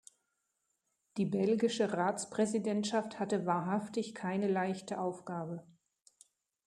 Die belgische Ratspräsidentschaft hatte wahrhaftig keine leichte Aufgabe.